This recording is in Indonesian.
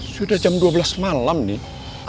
sudah jam dua belas malam nih